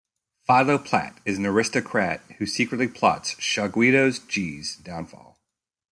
Philo Plat is an aristocrat who secretly plots Shah Guido G.'s downfall.